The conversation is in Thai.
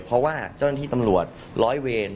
เพราะว่าเจ้าหน้าที่ตำรวจร้อยเวร